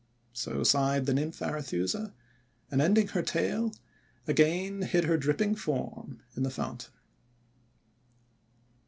'3 So sighed the Nymph Arethusa, and ending her tale, again hid her dripping form in her fountain.